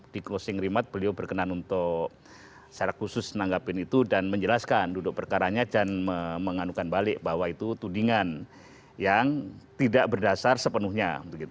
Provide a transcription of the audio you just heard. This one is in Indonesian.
di closing remat beliau berkenan untuk secara khusus menanggapin itu dan menjelaskan duduk perkaranya dan menganukan balik bahwa itu tudingan yang tidak berdasar sepenuhnya